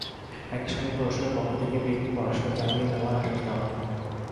একই সঙ্গে প্রশাসনের পক্ষ থেকে মেয়েটির পড়াশোনা চালিয়ে নেওয়ার আশ্বাস দেওয়া হয়।